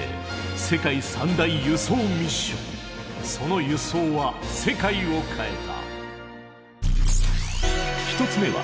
その輸送は世界を変えた。